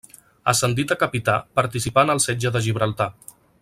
Ascendit a capità, participà en el setge de Gibraltar.